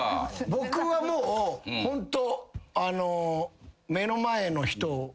僕はもうホント。